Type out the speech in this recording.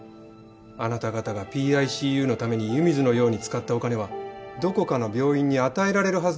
あなた方がＰＩＣＵのために湯水のように使ったお金はどこかの病院に与えられるはずだったものなんです。